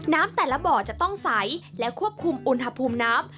แต่ละบ่อจะต้องใสและควบคุมอุณหภูมิน้ำ